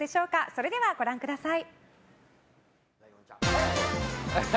それでは、ご覧ください。